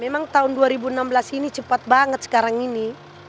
memang tahun dua ribu enam belas ini cepat banget sekarang ini